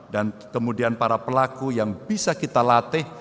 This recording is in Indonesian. dan kemudian para pelaku yang bisa kita latih